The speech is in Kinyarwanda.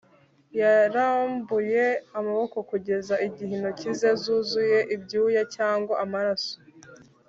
yarambuye amaboko kugeza igihe intoki ze zuzuye ibyuya cyangwa amaraso!